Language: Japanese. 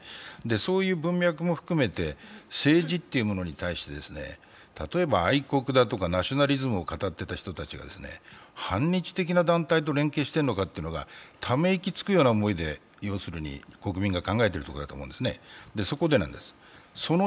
そういう文脈も含めて政治というものに対して、例えば愛国だとかナショナリズムを語っていた人たちが反日的な団体と連携しているのかとため息つくような思いで国民が考えているところだと思うんです。